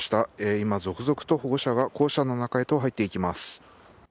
今、続々と保護者が校舎の中へと入っていきます。